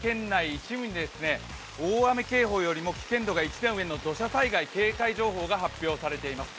一部に大雨警報よりも危険度が一段強い土砂災害警戒情報が発表されています。